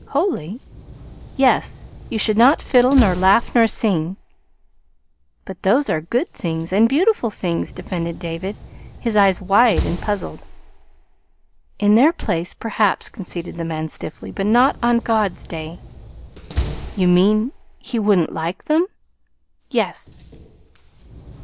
"'Holy'?" "Yes. You should not fiddle nor laugh nor sing." "But those are good things, and beautiful things," defended David, his eyes wide and puzzled. "In their place, perhaps," conceded the man, stiffly, "but not on God's day." "You mean He wouldn't like them?" "Yes."